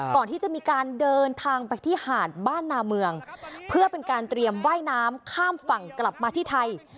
ก่อนที่จะมีการเดินทางไปที่หาดบ้านนาเมืองเพื่อเป็นการเตรียมว่ายน้ำข้ามฝั่งกลับมาที่ไทย